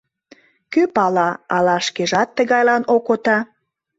Кӧ пала: ала шкежак тыгайлан окота...